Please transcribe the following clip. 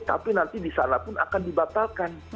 tapi nanti disanapun akan dibatalkan